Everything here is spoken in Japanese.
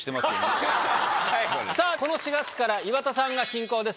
さぁこの４月から岩田さんが進行です